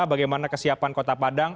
bagaimana kesiapan kota padang